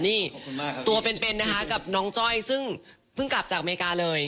นี่ตัวเป็นนะคะกับน้องจ้อยซึ่งเพิ่งกลับจากอเมริกาเลย